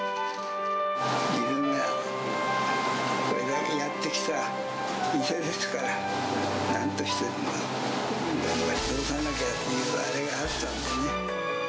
自分がこれだけやってきた店ですから、なんとしても頑張り通さなきゃというあれがあったんでね。